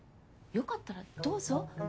よかったらどうぞ。